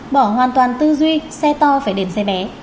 bỏ hoàn toàn tư duy xe to phải đèn xe bé